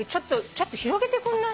ちょっと広げてくんない？